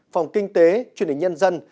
phòng kinh tế truyền hình nhân dân